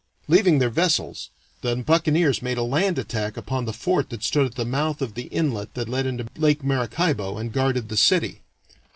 Leaving their vessels, the buccaneers made a land attack upon the fort that stood at the mouth of the inlet that led into Lake Maracaibo and guarded the city.